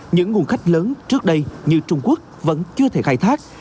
những nguồn khách lớn trước đây như trung quốc vẫn chưa thể khai thác